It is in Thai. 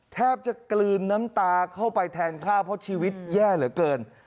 แทบจะกลืนน้ำตาเข้าไปแทนข้าวเพราะชีวิตแย่เหลือเกิน